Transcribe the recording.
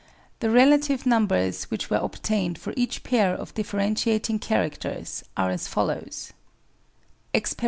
The relative num bers which were obtained for each pair of differentiating characters are as follows : Expt.